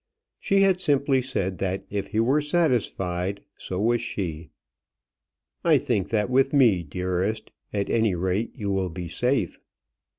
She had simply said that if he were satisfied, so was she. "I think that with me, dearest, at any rate, you will be safe."